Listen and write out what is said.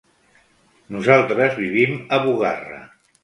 Nosaltres vivim a Bugarra.